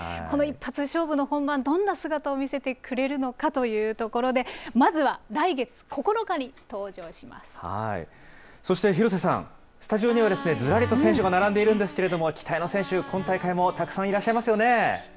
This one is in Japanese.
この一発勝負の本番、どんな姿を見せてくれるのかというところで、そして廣瀬さん、スタジオには、ずらりと選手が並んでいるんですけれども、期待の選手、今大会もたくさんいらっしゃいますよね。